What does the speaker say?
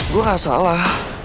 gue gak salah